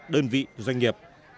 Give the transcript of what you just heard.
đơn vị doanh nghiệp